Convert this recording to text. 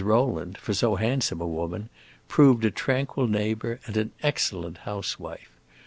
Rowland, for so handsome a woman, proved a tranquil neighbor and an excellent housewife.